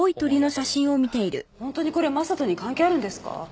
本当にこれ将人に関係あるんですか？